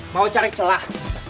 mau cari celah